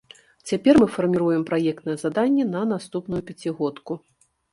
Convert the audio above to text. Цяпер мы фарміруем праектнае заданне на наступную пяцігодку.